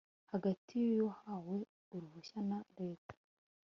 hagati y uwahawe uruhushya na Leta